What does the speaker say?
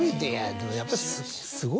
でもやっぱり。